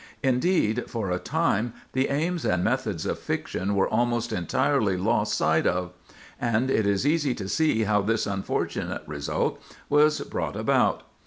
Indeed, for a time the aims and methods of fiction were almost entirely lost sight of. And it is easy to see how this unfortunate result was brought about.